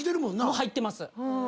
もう入ってます。